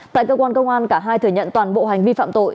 tại cơ quan công an cả hai thừa nhận toàn bộ hành vi phạm tội